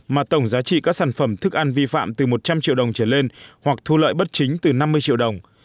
mà tổng giá trị các sản phẩm thức ăn vi phạm từ một trăm linh triệu đồng trở lên hoặc thu lợi bất chính từ năm mươi triệu đồng